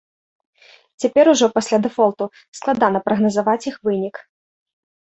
Цяпер ужо, пасля дэфолту, складана прагназаваць іх вынік.